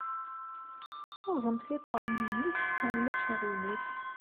Rẓem tiṭṭawin-nnek, ma ulac aɣilif.